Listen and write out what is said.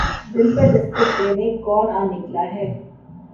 دل پر دستک دینے کون آ نکلا ہے